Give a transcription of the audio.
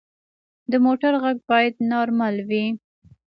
د موټر غږ باید نارمل وي.